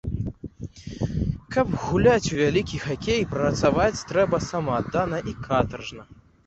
Каб гуляць у вялікі хакей, працаваць трэба самааддана і катаржна.